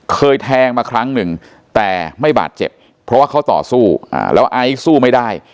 เคยแทงมาครั้งหนึ่งแต่ไม่บาดเจ็บเพราะว่าเขาต่อสู้แล้วไอซ์สู้ไม่ได้